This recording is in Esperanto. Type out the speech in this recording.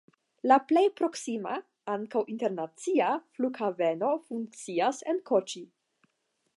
La plej proksima (ankaŭ internacia) flughaveno funkcias en Koĉi.